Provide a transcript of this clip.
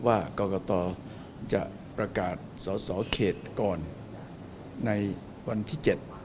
ว่ากรกตจะประกาศสอสอเขตก่อนในวันที่๗